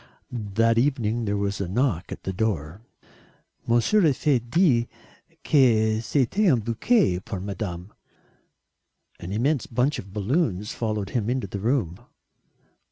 That evening there was a knock at the door. "Monsieur a fait dire que c'était un bouquet pour Madame." An immense bunch of balloons followed him into the room.